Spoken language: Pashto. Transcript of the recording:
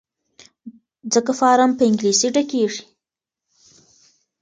ځکه فارم په انګلیسي ډکیږي.